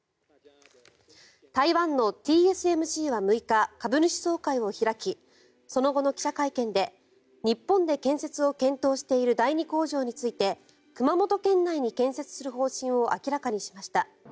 台湾のＴＳＭＣは６日株主総会を開きその後の記者会見で日本で建設を検討している第２工場について熊本県内に建設する方針を明らかにしました。